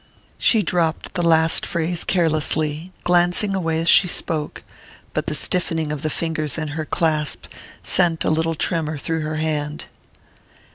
She dropped the last phrase carelessly, glancing away as she spoke; but the stiffening of the fingers in her clasp sent a little tremor through her hand.